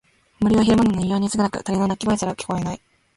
森は昼間なのに異様に薄暗く、鳥の鳴き声すら聞こえない。